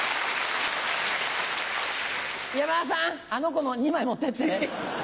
山田さんあの子の２枚持ってって。